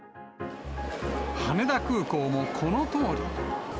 羽田空港もこのとおり。